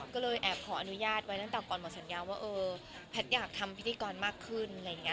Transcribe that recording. ก็เลยแอบขออนุญาตไว้ตั้งแต่ก่อนหมดสัญญาว่าเออแพทย์อยากทำพิธีกรมากขึ้นอะไรอย่างนี้